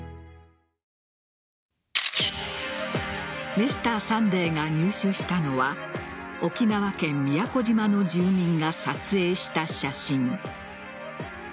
「Ｍｒ．サンデー」が入手したのは沖縄県宮古島の住民が撮影した写真。